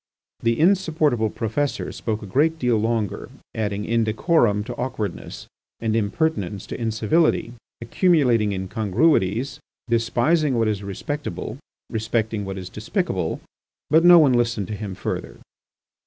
The insupportable Professor spoke a great deal longer, adding indecorum to awkwardness, and impertinence to incivility, accumulating incongruities, despising what is respectable, respecting what is despicable; but no one listened to him further.